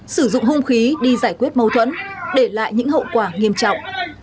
sử dụng hung khí đi giải quyết mâu thuẫn để lại những hậu quả nghiêm trọng